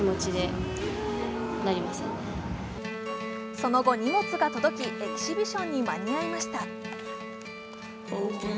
その後、荷物が届き、エキシビションに間に合いました。